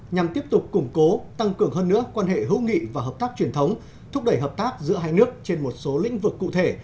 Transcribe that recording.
nhằm tiếp tục củng cố tăng cường hơn nữa quan hệ hữu nghị và hợp tác truyền thống thúc đẩy hợp tác giữa hai nước trên một số lĩnh vực cụ thể